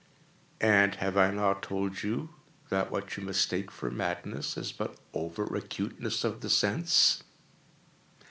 And have I not told you that what you mistake for madness is but over acuteness of the sense?